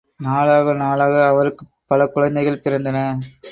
நாளாக நாளாக அவருக்குப் பல குழந்தைகள் பிறந்தன.